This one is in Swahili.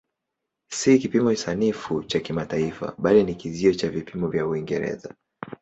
Si kipimo sanifu cha kimataifa bali ni kizio cha vipimo vya Uingereza.